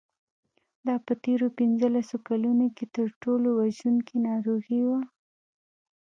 دا په تېرو پنځلسو کلونو کې تر ټولو وژونکې ناروغي وه.